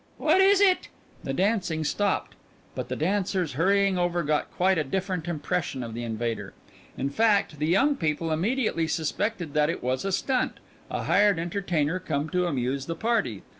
"What is it?" The dancing stopped, but the dancers hurrying over got quite a different impression of the invader; in fact, the young people immediately suspected that it was a stunt, a hired entertainer come to amuse the party.